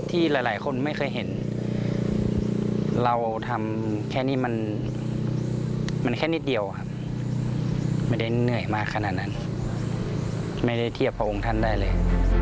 ที่หลายคนไม่เคยเห็นเราทำแค่นี้มันแค่นิดเดียวครับไม่ได้เหนื่อยมากขนาดนั้นไม่ได้เทียบพระองค์ท่านได้เลย